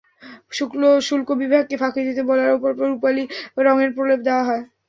শুল্ক বিভাগকে ফাঁকি দিতে বালার ওপর রূপালি রঙের প্রলেপ দেওয়া হয়।